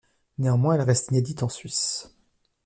Néanmoins, elle reste inédite en Suisse.